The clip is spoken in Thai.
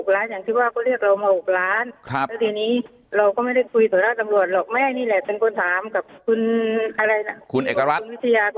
แล้วมีเพื่อนที่ตังค์อยู่เยอะก็ชอบไปน้องร้านเพื่อนที่ตังค์